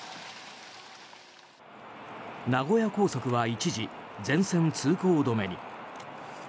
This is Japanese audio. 名古屋高速は一時全線通行止めに。